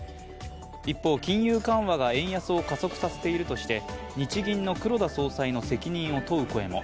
一方、金融緩和が円安を加速させているとして日銀の黒田総裁の責任を問う声も